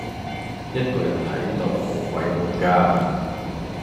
一個人喺度好鬼悶㗎